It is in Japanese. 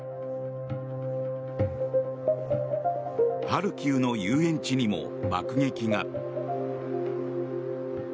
ハルキウの遊園地にも爆撃が。